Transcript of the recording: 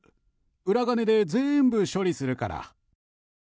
裏金で全部処理するから。